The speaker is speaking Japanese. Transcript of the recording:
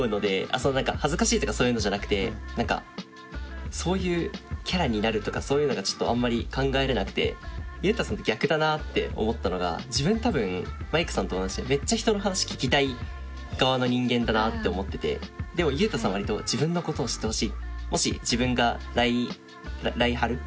その何か恥ずかしいとかそういうのじゃなくてそういうキャラになるとかそういうのがちょっとあんまり考えれなくてゆうたさんと逆だなって思ったのが自分多分まいかさんと同じでめっちゃ人の話聞きたい側の人間だなって思っててでもゆうたさんは割と自分のことを知ってほしい。